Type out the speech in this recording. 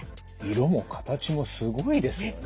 色も形もすごいですよね。